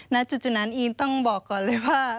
ณจุดนั้นอีนต้องบอกก่อนเลยว่า